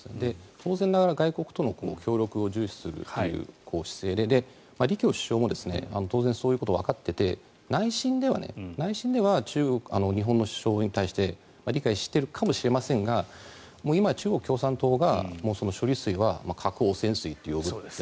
当然ながら外国との協力を重視するという姿勢で李強首相も当然そういうことはわかっていて内心では日本の主張に対して理解しているかもしれませんがいまや中国共産党が処理水は核汚染水と呼ぶと。